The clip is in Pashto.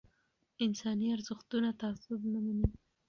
انساني ارزښتونه تعصب نه مني